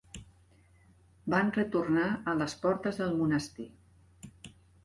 Van retornar a les portes del monestir.